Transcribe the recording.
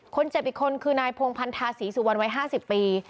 คนเจ็บอีกคนคือนายพงพันธาศรีสุวรรณวัย๕๐ปี